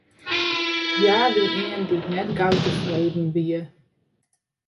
Hja wie ien dy't net gau tefreden wie.